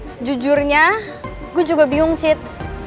sejujurnya gua juga bingung cid